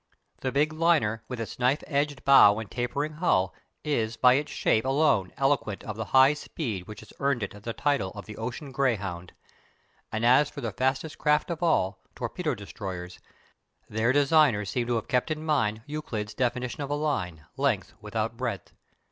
The big liner, with its knife edged bow and tapering hull, is by its shape alone eloquent of the high speed which has earned it the title of Ocean Greyhound; and as for the fastest craft of all, torpedo destroyers, their designers seem to have kept in mind Euclid's definition of a line length without breadth.